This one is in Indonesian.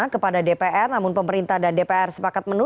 selamat sore mbak nana